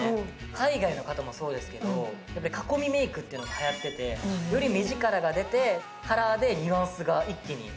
海外の方もそうですけど囲みメイクっていうのが流行っててより目力が出てカラーでニュアンスが一気に目元に出てくるので。